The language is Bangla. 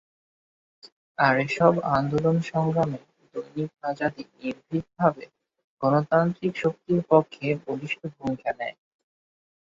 আর এসব আন্দোলন-সংগ্রামে দৈনিক আজাদী নির্ভিকভাবে গণতান্ত্রিক শক্তির পক্ষে বলিষ্ঠ ভূমিকা নেয়।